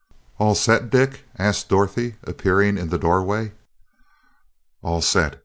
"All set, Dick?" asked Dorothy, appearing in the doorway. "All set.